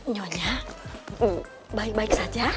nyonya baik baik saja